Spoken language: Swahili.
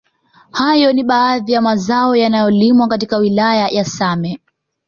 Hayo ni baadhi ya mazao yanayolimwa katika wilaya ya same